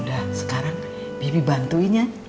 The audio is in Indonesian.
udah sekarang bibi bantuinya